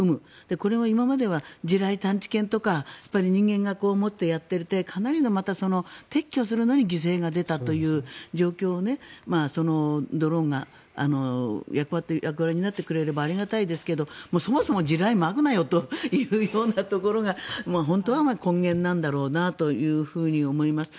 これが今までは地雷探知犬とか人間が持ってやっていてかなりの撤去するのに犠牲が出たという状況をドローンが役割を担ってくれればありがたいですけどそもそも地雷をまくなよというところが本当は根源なんだろうなと思います。